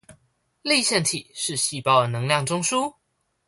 粒線體是細胞的能量中樞